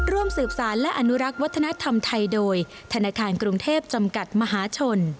ร่วมสืบสารและอนุรักษ์วัฒนธรรมไทยโดยธนาคารกรุงเทพจำกัดมหาชน